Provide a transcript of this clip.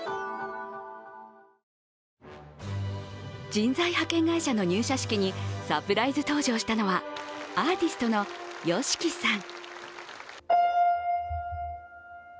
人材派遣会社の入社式にサプライズ登場したのはアーティストのＹＯＳＨＩＫＩさん。